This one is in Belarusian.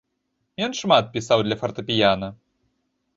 Ён шмат пісаў для фартэпіяна.